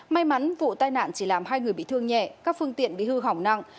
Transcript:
may mắn vụ tai nạn chỉ làm hai người bị thương nhẹ các phương tiện bị hư hỏng nặng